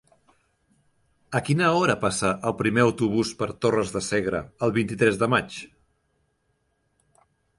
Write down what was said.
A quina hora passa el primer autobús per Torres de Segre el vint-i-tres de maig?